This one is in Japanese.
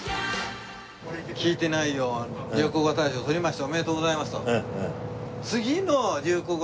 「“聞いてないよォ”流行語大賞取りましたおめでとうございます」と。